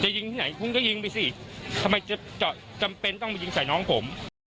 ยิงที่ไหนคุณก็ยิงไปสิทำไมจะจำเป็นต้องไปยิงใส่น้องผม